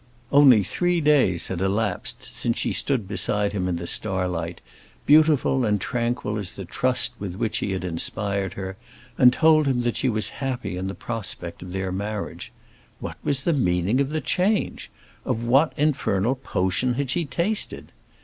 Only three days had elapsed since she stood beside him in the starlight, beautiful and tranquil as the trust with which he had inspired her, and told him that she was happy in the prospect of their marriage. What was the meaning of the change? of what infernal potion had she tasted?